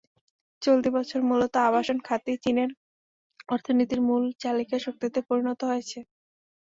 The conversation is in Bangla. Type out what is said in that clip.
চলতি বছর মূলত আবাসন খাতই চীনের অর্থনীতির মূল চালিকা শক্তিতে পরিণত হয়েছে।